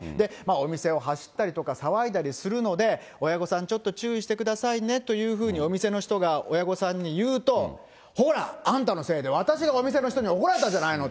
お店を走ったりとか騒いだりするので、親御さん、ちょっと注意してくださいねというふうにお店の人が親御さんに言うと、ほら、あんたのせいで私がお店の人に怒られたじゃないのと。